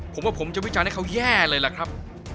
ผมว่าผมจะวิจารณ์ให้เขาแย่เลยล่ะครับ